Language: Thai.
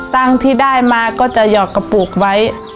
ตังค์ที่ได้มาก็จะหยอกกระปุกไว้